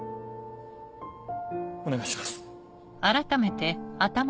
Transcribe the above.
お願いします。